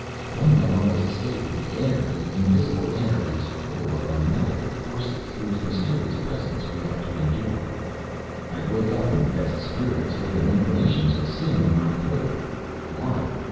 One might almost say that the air, the invisible air, is full of unknowable Forces, whose mysterious presence we have to endure. I wake up in the best spirits, with an inclination to sing in my throat. Why?